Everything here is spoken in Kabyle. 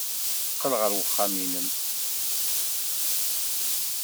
Qqel ɣer uxxam-nnem.